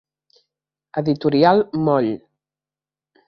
Editorial Moll.